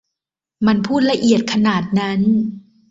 มันพูดละเอียดขนาดนั้น